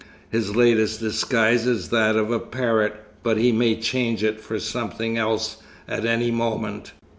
"His latest disguise is that of a parrot, but he may change it for something else at any moment."